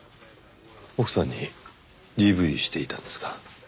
奥さんにＤＶしていたんですか？